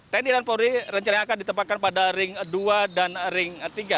tni dan polri rencana akan ditempatkan pada ring dua dan ring tiga